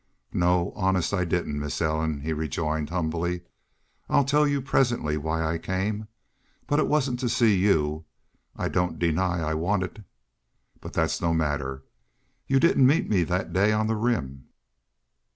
"No honest, I didn't, Miss Ellen," he rejoined, humbly. "I'll tell you, presently, why I came. But it wasn't to see you.... I don't deny I wanted ... but that's no matter. You didn't meet me that day on the Rim."